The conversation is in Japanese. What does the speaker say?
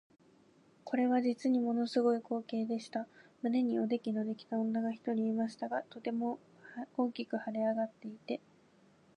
これは実にもの凄い光景でした。胸におできのできた女が一人いましたが、とても大きく脹れ上っていて、